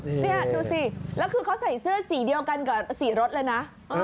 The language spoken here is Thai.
นี่ดูสิแล้วคือเขาใส่เสื้อสีเดียวกันกับสีรถเลยนะ